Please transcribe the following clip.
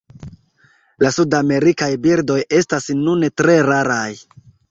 La sudamerikaj birdoj estas nune tre raraj.